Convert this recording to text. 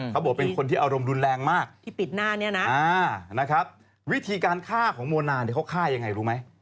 เขาบอกเป็นคนที่อารมณ์รุนแรงมากวิธีการฆ่าของโมนาเขาฆ่ายังไงรู้ไหม